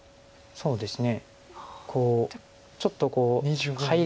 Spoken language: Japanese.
そうですね。